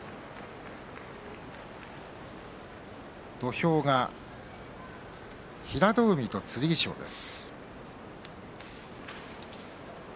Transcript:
土俵は平戸海と剣翔です。